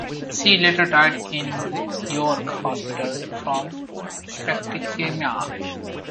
She later died in York Hospital from septicaemia.